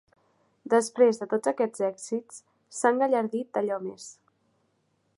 Després de tots aquests èxits, s'ha engallardit d'allò més.